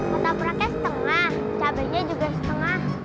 ketabraknya setengah cabainya juga setengah